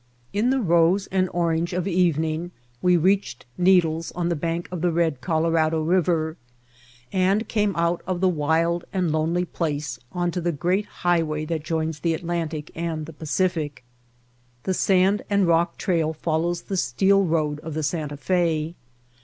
In the rose and orange of evening we reached Needles on the bank of the red Colorado River, and came out of the wild and lonely place onto the great highway that joins the Atlantic and the Pacific. The sand and rock trail follows the steel road of the Santa Fe